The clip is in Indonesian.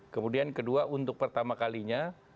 kemudian kedua untuk pertama kalinya